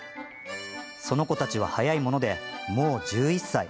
その子たちは早いもので、もう１１歳。